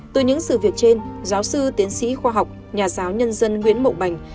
từ những sự việc trên giáo sư tiến sĩ khoa học nhà giáo nhân dân nguyễn mậu bành